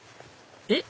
えっ？